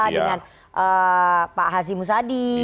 dengan pak hazi musadi